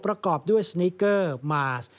ประกอบด้วยสนิกเกอร์มาร์ส